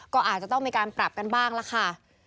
ก็อาจจะต้องมีการปรับกันบ้างล่ะค่ะ